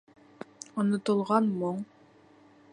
Онотолған моң...